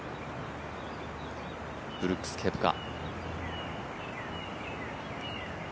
ブルックス・ケプカ。